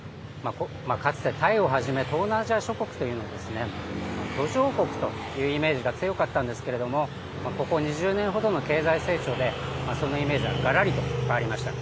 かつてタイをはじめ、東南アジア諸国というのは、途上国というイメージが強かったんですけれども、ここ２０年ほどの経済成長で、そのイメージはがらりと変わりました。